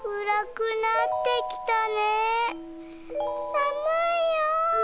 「さむいよ」。